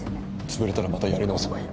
潰れたらまたやり直せばいい。